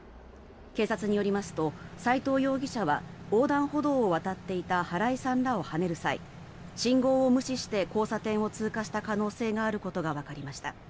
警察によりますと斉藤容疑者は横断歩道を渡っていた原井さんらをはねる際信号を無視して交差点を通過した可能性があることがわかりました。